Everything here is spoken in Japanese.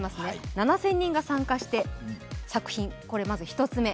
７０００人が参加して作品、まず１つ目。